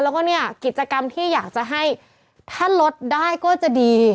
แล้วก็เนี่ยกิจกรรมที่อยากจะให้ถ้าลดได้ก็จะดี